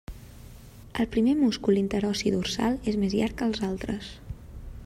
El primer múscul interossi dorsal és més llarg que els altres.